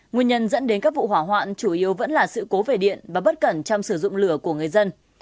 nguyên nhân dẫn đến các vụ hỏa hoạn chủ yếu vẫn là sự cố về điện và bất cẩn trong sử dụng lửa của người dân